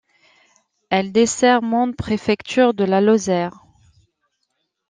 Elle dessert Mende, préfecture de la Lozère.